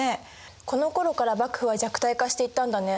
このころから幕府は弱体化していったんだね。